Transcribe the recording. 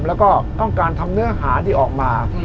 แล้วก็ต้องการทำเนื้อหาที่ออกมา